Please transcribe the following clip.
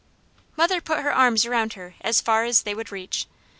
Mother put her arms around her as far as they would reach.